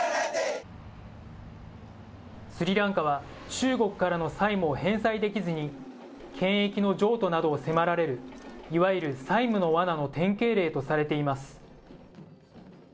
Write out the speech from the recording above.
スリランカは、中国からの債務を返済できずに、権益の譲渡などを迫られる、いわゆる債務のわなの典型例とされています。